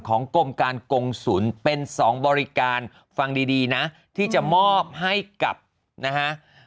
ของกรมการกงศูนย์เป็น๒บริการฟังดีนะที่จะมอบให้กับนะฮะ